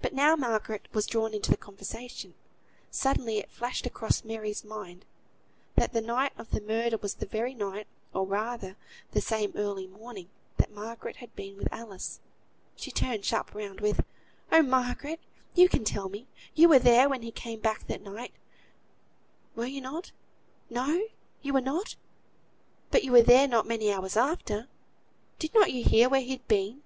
But now Margaret was drawn into the conversation. Suddenly it flashed across Mary's mind, that the night of the murder was the very night, or rather the same early morning, that Margaret had been with Alice. She turned sharp round, with "Oh! Margaret, you can tell me; you were there when he came back that night; were you not? No! you were not; but you were there not many hours after. Did not you hear where he'd been?